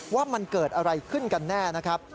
ว่ามันเกิดอะไรขึ้นกันแน่นะครับ